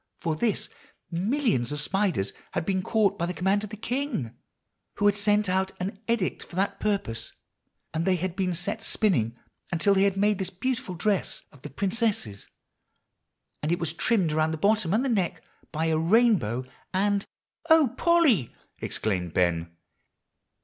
For this, millions of spiders had been caught by the command of the king, who had sent out an edict for that purpose; and they had been set spinning until they had made this beautiful dress of the princess. And it was trimmed around the bottom and the neck by a rainbow, and" "O Polly!" exclaimed Ben.